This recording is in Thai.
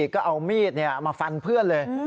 ก็เอามีดมาฟันเพื่อนเลย